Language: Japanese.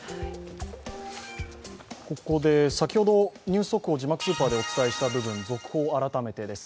ここで、先ほどニュース速報、字幕スーパーでお伝えしたところ続報、改めてです。